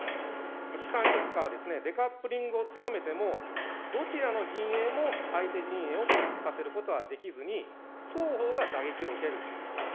試算結果はデカップリングを強めても、どちらの陣営も相手陣営を孤立させることはできずに、双方が打撃を受けると。